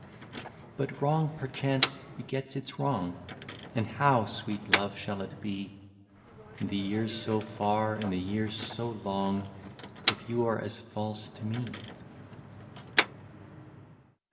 *^ But wrong, perchance, begets its wrong, And how, sweet love, shall it be. In the years so far, in the years so long, If you are as false to me